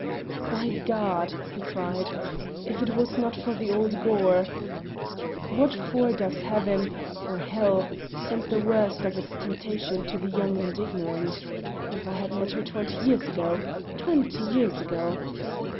"By God!" he cried. "If it was not for the old glaur! What for does heaven or hell send the worst of its temptations to the young and ignorant? If I had met her twenty years ago! Twenty years ago!